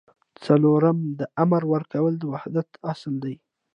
څلورم د امر ورکولو د وحدت اصل دی.